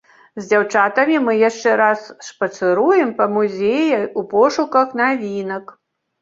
З дзяўчатамі мы яшчэ раз шпацыруем па музеі ў пошуках навінак.